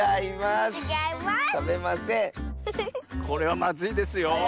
これはまずいですよ。